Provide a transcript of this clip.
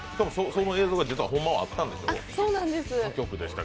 その映像が実はほんまはあったんでしょ？